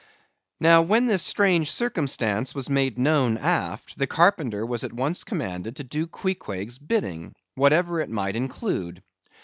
Now, when this strange circumstance was made known aft, the carpenter was at once commanded to do Queequeg's bidding, whatever it might include.